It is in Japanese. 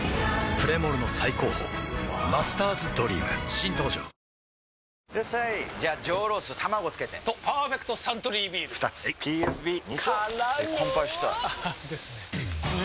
プレモルの最高峰「マスターズドリーム」新登場ワオいらっしゃいじゃあ上ロース卵つけてと「パーフェクトサントリービール」２つはいＰＳＢ２丁！！からの乾杯したいですよねう！